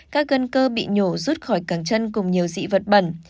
các gân cơ bị nhổ rút khỏi càng chân cùng nhiều dị vật bẩn